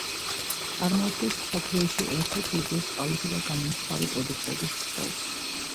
წარმოადგენს მსოფლიოში ერთ-ერთ უდიდეს ყავისა და გამომცხვარი პროდუქტების ქსელს.